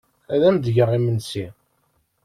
Ad am-d-geɣ imensi.